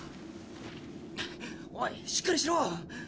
おいしっかりしろ。